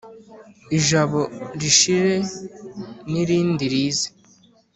ijabo rishire n'irindi rize